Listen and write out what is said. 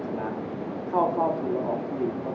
สวัสดีครับสวัสดีครับสวัสดีครับ